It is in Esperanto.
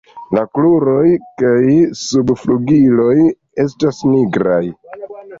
La kruroj kaj subflugiloj estas nigraj.